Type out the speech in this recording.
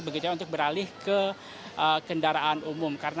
begitunya untuk beralih ke kendaraan umum